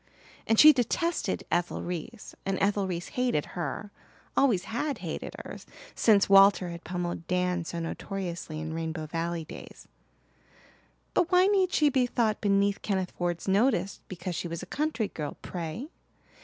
And she detested Ethel Reese and Ethel Reese hated her always had hated her since Walter had pummelled Dan so notoriously in Rainbow Valley days; but why need she be thought beneath Kenneth Ford's notice because she was a country girl, pray?